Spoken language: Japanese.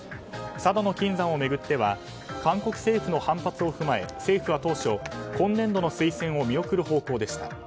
佐渡島の金山を巡っては韓国政府の反発を踏まえ政府は当初、今年度の推薦を見送る方向でした。